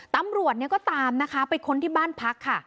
ตำรวจเนี่ยก็ตามนะคะไปค้นที่บ้านพักค่ะ